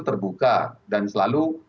terbuka dan selalu